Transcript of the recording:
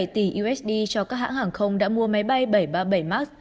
một mươi tỷ usd cho các hãng hàng không đã mua máy bay bảy trăm ba mươi bảy max